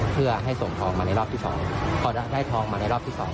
เพื่อให้ส่งทองมาในรอบที่๒พอได้ทองมาในรอบที่๒